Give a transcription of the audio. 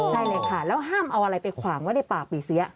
ใช่เลยค่ะแล้วห้ามเอาอะไรไปขวางไว้ในป่าปีเสีย